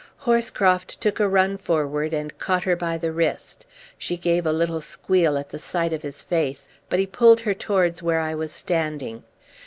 Horscroft took a run forward and caught her by the wrist. She gave a little squeal at the sight of his face, but he pulled her towards where I was standing.